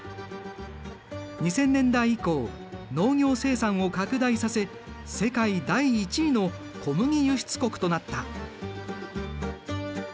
２０００年代以降農業生産を拡大させ世界第１位の小麦輸出国となった。